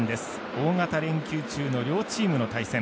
大型連休中の両チームの対戦。